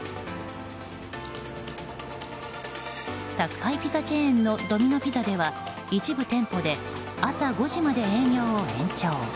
宅配ピザチェーンのドミノピザでは一部店舗で朝５時まで営業を延長。